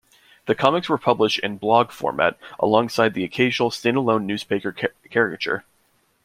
The comics were published in blog format, alongside the occasional stand-alone newsmaker caricature.